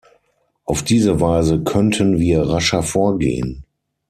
Auf diese Weise könnten wir rascher vorgehen.